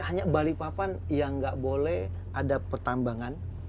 hanya balikpapan yang nggak boleh ada pertambangan